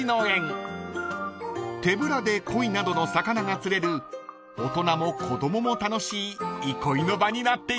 ［手ぶらでコイなどの魚が釣れる大人も子供も楽しい憩いの場になっています］